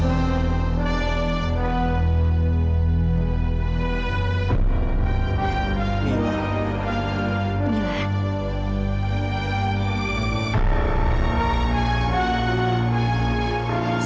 gimana bapak tahu israelis